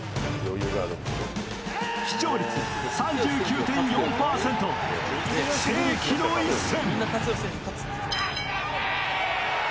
視聴率３９．４％、世紀の一戦。